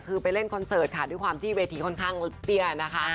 คือไปเล่นคอนเสิร์ตค่ะด้วยความที่เวทีค่อนข้างเตี้ยนะคะ